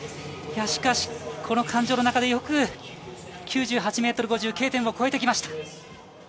しかし、この感情の中でよく９８ｍ５０、Ｋ点を越えてきました。